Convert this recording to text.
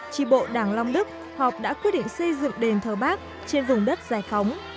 tri bộ đảng long đức họp đã quyết định xây dựng đền thờ bác trên vùng đất dài khóng